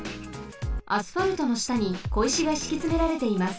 アスファルトのしたにこいしがしきつめられています。